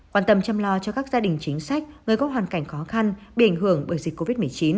quan tâm chăm lo cho các gia đình chính sách người có hoàn cảnh khó khăn bị ảnh hưởng bởi dịch covid một mươi chín